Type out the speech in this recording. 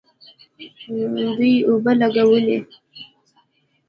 دوی اوبه لګولې.